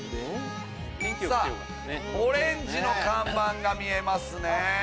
オレンジの看板が見えますね。